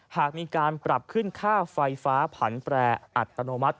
หากมีการปรับขึ้นค่าไฟฟ้าผันแปรอัตโนมัติ